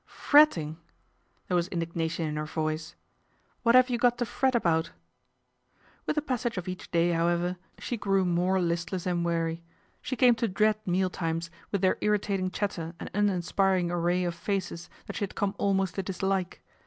Fretting !" There was indignation in her voice. " What have you got to fret about ?" With the passage of each day, however, she grew more listless and weary. She came to dread meal times, with their irritating chatter and un inspiring array of faces that she had come almost to dislike.